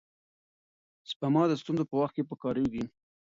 سپما د ستونزو په وخت کې پکارېږي.